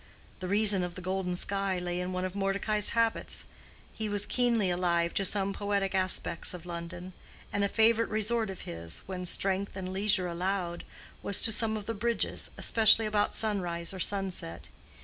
The reason of the golden sky lay in one of Mordecai's habits. He was keenly alive to some poetic aspects of London; and a favorite resort of his, when strength and leisure allowed, was to some of the bridges, especially about sunrise or sunset.